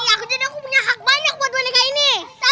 aku jadi aku punya hak banyak buat boneka ini